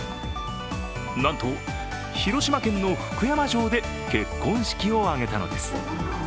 なんと広島県の福山城で結婚式を挙げたのです。